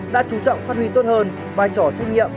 đã chú trọng phát huy tốt hơn vai trò trách nhiệm